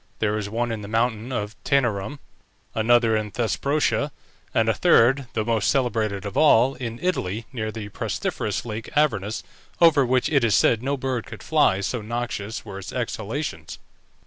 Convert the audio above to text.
There was one in the mountain of Taenarum, another in Thesprotia, and a third, the most celebrated of all, in Italy, near the pestiferous Lake Avernus, over which it is said no bird could fly, so noxious were its exhalations.